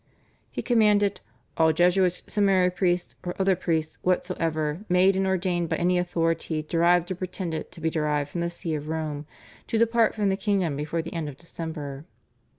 He commanded "all Jesuits, seminary priests, or other priests whatsoever, made and ordained by any authority derived or pretended to be derived from the See of Rome," to depart from the kingdom before the end of December.